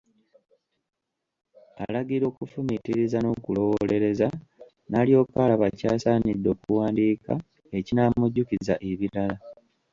Alagirwa okufumiitiriza n'okulowoolereza, n'alyoka alaba ky'asaanidde okuwandika, ekinamujjukiza ebirala.